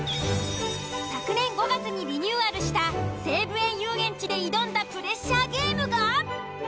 ［昨年５月にリニューアルした西武園ゆうえんちで挑んだプレッシャーゲームが］